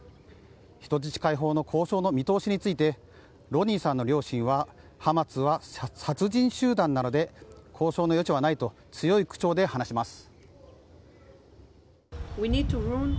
人質解放の交渉の見通しについてロニーさんの両親はハマスは殺人集団なので交渉の余地はないと強い口調で話します。